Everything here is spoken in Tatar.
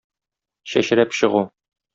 Чәчрәп чыгу.